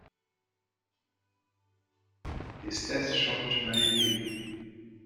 His death shocked many people.